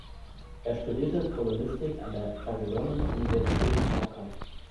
Er studierte Polonistik an der Jagiellonen-Universität in Krakau.